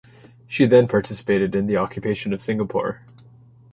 She then participated in the occupation of Singapore.